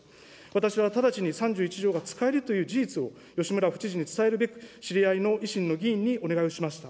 私は直ちに３１条が使えるという事実を、吉村府知事に伝えるべく、知り合いの維新の議員にお願いをしました。